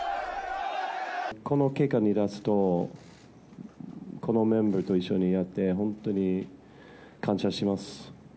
この結果に出すと、このメンバーと一緒にやって、本当に感謝します。